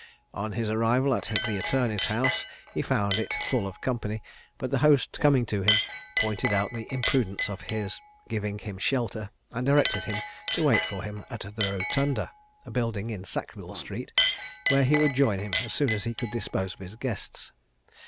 On his arrival at the attorney's house, he found it full of company; but the host coming to him pointed out the imprudence of his giving him shelter, and directed him to wait for him at the Rotunda, a building in Sackville street, where he would join him, as soon as he could dispose of his guests.